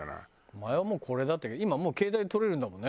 前はもうこれだったけど今はもう携帯で撮れるんだもんね。